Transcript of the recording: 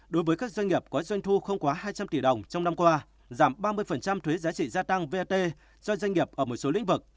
đối với các doanh nghiệp có doanh thu không quá hai trăm linh tỷ đồng trong năm qua giảm ba mươi thuế giá trị gia tăng vat cho doanh nghiệp ở một số lĩnh vực